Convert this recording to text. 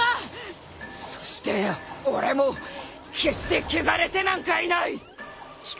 そして俺も決して穢れてなんかいない！